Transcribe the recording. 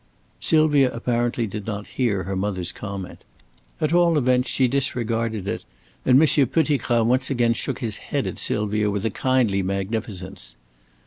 Sylvia apparently did not hear her mother's comment. At all events she disregarded it, and Monsieur Pettigrat once again shook his head at Sylvia with a kindly magnificence.